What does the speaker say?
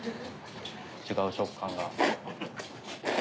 違う食感が。